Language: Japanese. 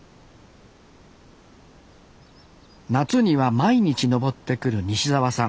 夏には毎日登ってくる西澤さん。